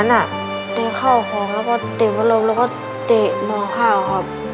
เป็นข้าวของแล้วก็เตะพัดลมแล้วก็เตะห่อข้าวครับ